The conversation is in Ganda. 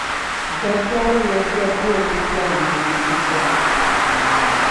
Jjajjaawo yajja ddi okuggya wano obutiko?